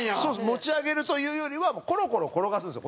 持ち上げるというよりはコロコロ転がすんですよ。